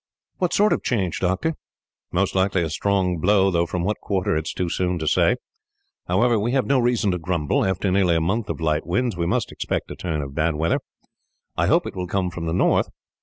"What sort of a change, doctor?" "Most likely a strong blow, though from what quarter it is too soon to say. However, we have no reason to grumble. After nearly a month of light winds, we must expect a turn of bad weather. I hope it will come from the north.